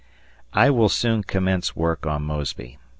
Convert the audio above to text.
I will soon commence work on Mosby.